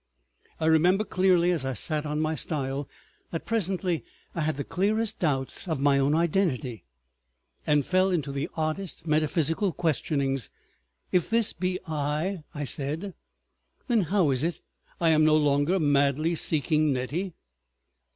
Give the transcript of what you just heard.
I remember clearly as I sat on my stile that presently I had the clearest doubts of my own identity and fell into the oddest metaphysical questionings. "If this be I," I said, "then how is it I am no longer madly seeking Nettie?